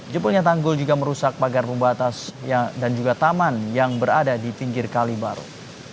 jepulnya tanggul juga merusak pagar pembatas dan juga taman yang berada di pinggir kalibaru